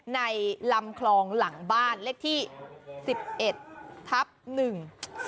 ในลำคลองหลังบ้านเลขที่๑๑ทัพนึง